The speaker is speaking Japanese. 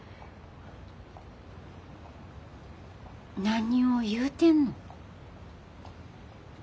何を言うてんの。